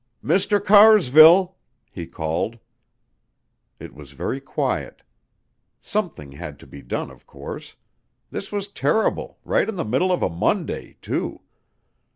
"Mr. Carsville," he called. It was very quiet. Something had to be done, of course. This was terrible, right in the middle of a Monday, too.